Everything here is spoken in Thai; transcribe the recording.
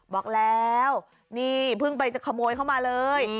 บอกแล้วนี่เพิ่งไปจะขโมยเข้ามาเลย